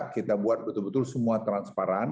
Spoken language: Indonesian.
kita buat betul betul semua transparan